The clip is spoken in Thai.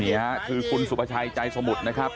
เนี่ยคือคุณสุปไฉยจ้ายสมุทรนะครับ